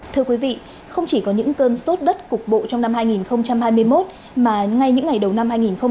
thưa quý vị không chỉ có những cơn sốt đất cục bộ trong năm hai nghìn hai mươi một mà ngay những ngày đầu năm hai nghìn hai mươi